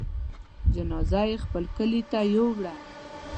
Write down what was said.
جنازه يې خپل کلي ته يووړه.